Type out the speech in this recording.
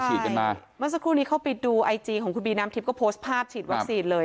เมื่อสักครู่นี้เข้าไปดูไอจีของคุณบีน้ำทิพย์ก็โพสต์ภาพฉีดวัคซีนเลย